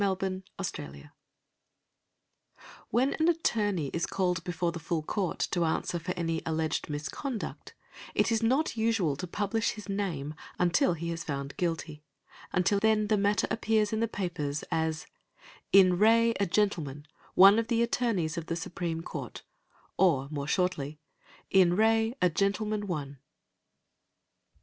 "In Re a Gentleman, One" When an attorney is called before the Full Court to answer for any alleged misconduct it is not usual to publish his name until he is found guilty; until then the matter appears in the papers as "In re a Gentleman, One of the Attorneys of the Supreme Court", or, more shortly, "In re a Gentleman, One".